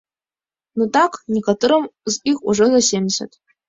Ну так, некаторым з іх ужо за семдзесят!